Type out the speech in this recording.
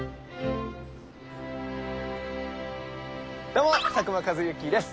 どうも佐久間一行です。